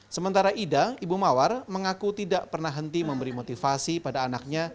sementara ida ibu mawar mengaku tidak pernah henti memberi motivasi pada anaknya